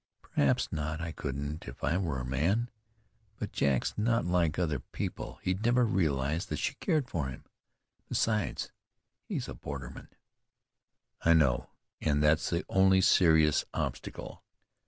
"Perhaps not; I couldn't if I were a man. But Jack's not like other people. He'd never realize that she cared for him. Besides, he's a borderman." "I know, and that's the only serious obstacle.